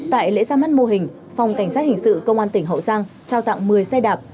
tại lễ ra mắt mô hình phòng cảnh sát hình sự công an tỉnh hậu giang trao tặng một mươi xe đạp